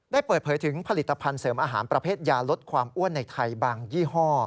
เปิดเผยถึงผลิตภัณฑ์เสริมอาหารประเภทยาลดความอ้วนในไทยบางยี่ห้อ